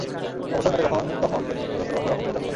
অবসর মেলে যখন তখন তিনি পুরোদস্তুর অন্য রকম জীবন যাপন করেন।